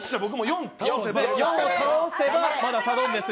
４を倒せばまだサドンデス。